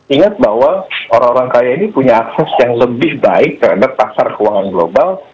ingat bahwa orang orang kaya ini punya akses yang lebih baik terhadap pasar keuangan global